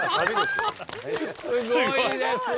すごいですね！